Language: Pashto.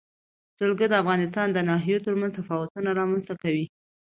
جلګه د افغانستان د ناحیو ترمنځ تفاوتونه رامنځ ته کوي.